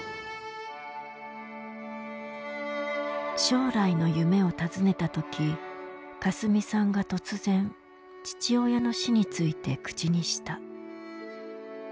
将来の夢をたずねた時かすみさんが突然父親の死について口にした。